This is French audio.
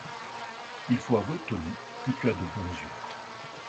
Il faut avouer, Tony, que tu as de bons yeux…